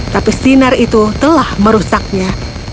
tapi sinar itu telah merusaknya